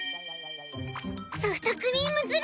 ソフトクリームズラ！